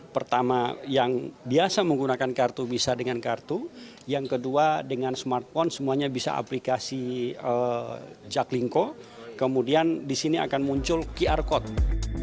pertama yang biasa menggunakan kartu bisa dengan kartu yang kedua dengan smartphone semuanya bisa aplikasi jaklingko kemudian di sini akan muncul qr code